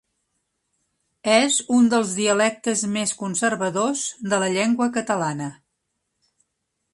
És un dels dialectes més conservadors de la llengua catalana.